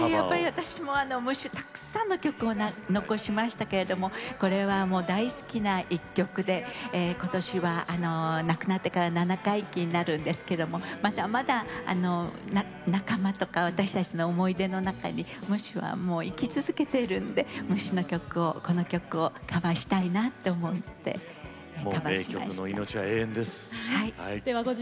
ムッシュはたくさんの曲を残しましたけどもこれは大好きな一曲で今年は亡くなってから七回忌になるんですけれどもまだまだ仲間とか私たちの思い出の中にムッシュは生き続けているんでムッシュの曲を、この曲をカバーしたいなって思ってカバーしました。